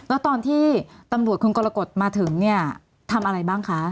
แล้วตอนที่ตำรวจคุณกรกฎมาถึงเนี่ยทำอะไรบ้างคะ